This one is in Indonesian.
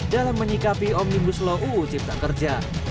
dalam menyikapi omnibus law uu cipta kerja